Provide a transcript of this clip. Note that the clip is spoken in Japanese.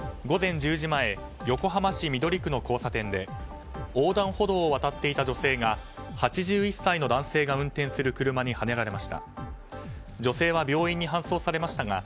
午前１０時前横浜市緑区の交差点で横断歩道を渡っていた女性が８１歳の男性が運転する車にはねられました。